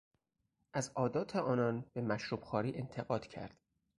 از عادت آنان به مشروبخواری انتقاد کرد.